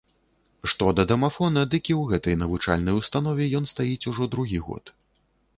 Што да дамафона, дык і ў гэтай навучальнай установе ён стаіць ужо другі год.